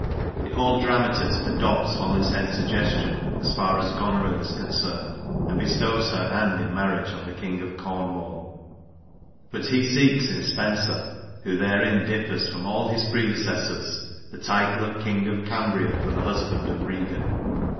The old dramatist adopts Holinshed's suggestion as far as Goneril is concerned, and bestows her hand in marriage on the King of Cornwall. Bat he seeks in Spenser, who therein differs from all his predecessors, the title of King of Cambria for the husband of Regan.